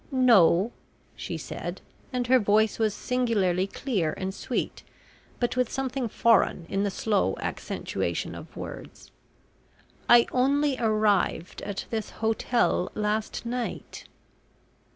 "No," she said; and her voice was singularly clear and sweet, but with something foreign in the slow accentuation of words. "I only arrived at this hotel last night."